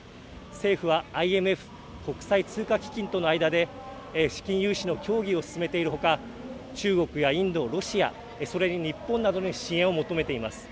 政府はＩＭＦ＝国際通貨基金との間で資金融資の協議を進めているほか中国やインド、ロシアそれに日本などに支援を求めています。